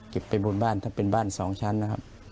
ไปบนบ้านถ้าเป็นบ้าน๒ชั้นนะครับ